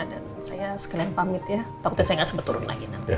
saya sekalian pamit ya takutnya saya nggak sempat turun lagi nanti